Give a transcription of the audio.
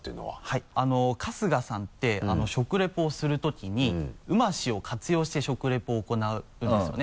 はい春日さんって食リポをするときに「うまし」を活用して食リポを行うんですよね。